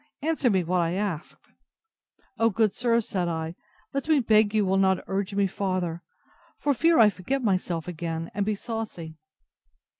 Answer me what I asked. O, good sir, said I, let me beg you will not urge me farther, for fear I forget myself again, and be saucy.